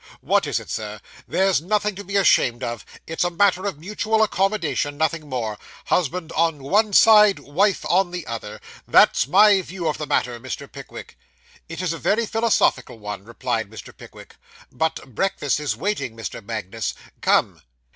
What is it, Sir? There's nothing to be ashamed of; it's a matter of mutual accommodation, nothing more. Husband on one side, wife on the other. That's my view of the matter, Mr. Pickwick.' 'It is a very philosophical one,' replied Mr. Pickwick. 'But breakfast is waiting, Mr. Magnus. Come.